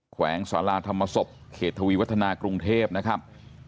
แวงสาราธรรมศพเขตทวีวัฒนากรุงเทพนะครับ